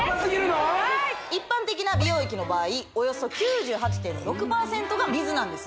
はい一般的な美容液の場合およそ９８．６％が水なんですね